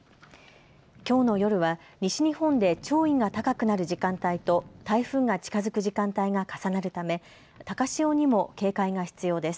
きょうの夜は西日本で潮位が高くなる時間帯と台風が近づく時間帯が重なるため高潮にも警戒が必要です。